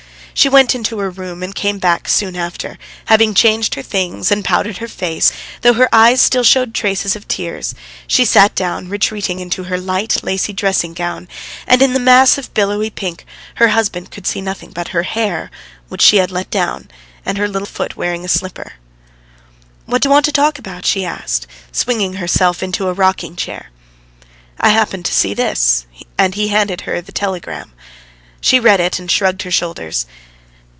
She went into her room and came back soon after, having changed her things and powdered her face, though her eyes still showed traces of tears. She sat down, retreating into her light, lacy dressing gown, and in the mass of billowy pink her husband could see nothing but her hair, which she had let down, and her little foot wearing a slipper. "What do you want to talk about?" she asked, swinging herself in a rocking chair. "I happened to see this;" and he handed her the telegram. She read it and shrugged her shoulders.